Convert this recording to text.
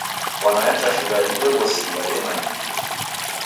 Fwana ya chashighadi eghosia yamanyikie.